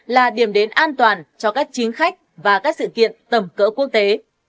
là điểm đến an toàn cho các chính khách và các sự kiện tầm cỡ quốc tế